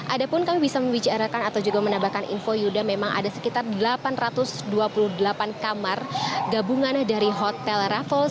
ada pun kami bisa membicarakan atau juga menambahkan info yuda memang ada sekitar delapan ratus dua puluh delapan kamar gabungan dari hotel raffles